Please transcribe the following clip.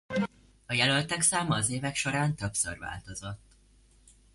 A jelöltek száma az évek során többször változott.